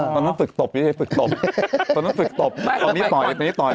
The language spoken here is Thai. ตอนนั้นฝึกตบตอนนี้ต่อยตอนนั้นฝึกตบตอนนี้ต่อยต่อย